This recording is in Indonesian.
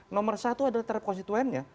nomor satu adalah terhadap konstituennya